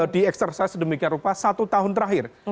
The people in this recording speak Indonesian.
di eksersis sedemikian rupa satu tahun terakhir